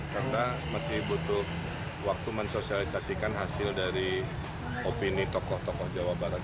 karena masih butuh waktu mensosialisasikan hasil dari opini tokoh tokoh jawa barat